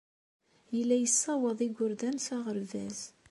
Yella yessawaḍ igerdan s aɣerbaz.